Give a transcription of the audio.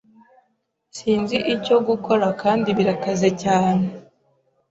Sinzi icyo gukora kandi birakaze cyane.